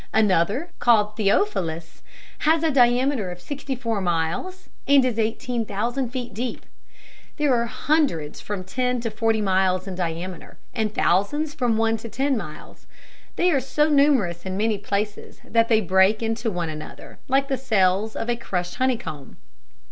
Another, called "Theophilus," has a diameter of sixty four miles, and is eighteen thousand feet deep. There are hundreds from ten to forty miles in diameter, and thousands from one to ten miles. They are so numerous in many places that they break into one another, like the cells of a crushed honeycomb.